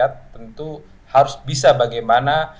tentu harus bisa bagaimana